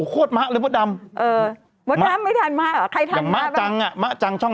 ขอดมะเลยแต่งตัวกอดมะเลยมะจริง